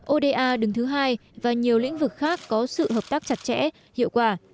oda đứng thứ hai và nhiều lĩnh vực khác có sự hợp tác chặt chẽ hiệu quả